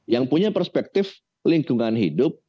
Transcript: yang punya perspektif lingkungan hidup